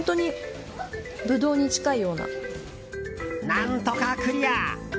何とかクリア！